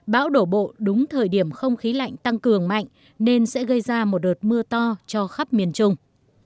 bão đổ bộ đúng thời điểm không khí lạnh tăng cường mạnh nên sẽ gây ra một đợt mưa to cho khắp miền trung